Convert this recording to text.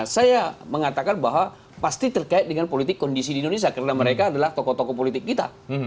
saya mengatakan bahwa pasti terkait dengan politik kondisi di indonesia karena mereka adalah tokoh tokoh politik kita